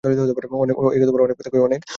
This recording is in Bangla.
অনেক ব্যথা করছে।